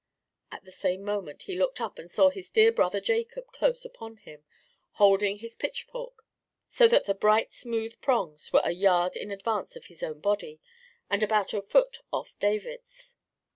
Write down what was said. In the same moment he looked up and saw his dear brother Jacob close upon him, holding the pitchfork so that the bright smooth prongs were a yard in advance of his own body, and about a foot off David's.